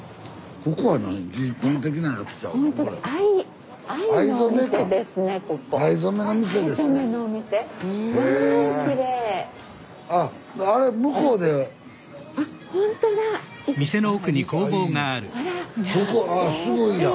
ここあっすごいやん。